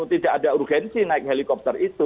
tidak ada urgensi naik helikopter itu